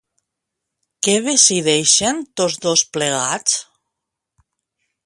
Què decideixen tots dos plegats?